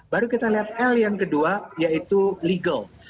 baru kita lihat l yang kedua yaitu legal